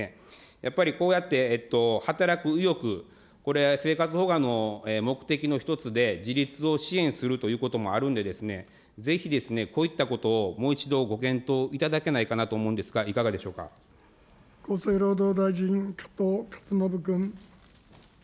やっぱりこうやって働く意欲、これ、生活保護の目的の一つで、自立を支援するということもあるんで、ぜひこういったことをもう一度ご検討いただけないかなと思うんで厚生労働大臣、加藤勝信君。